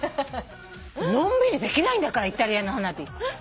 のんびりできないんだからイタリアの花火。